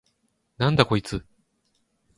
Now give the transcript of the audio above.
なんだこいつ！？